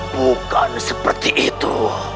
bukan seperti itu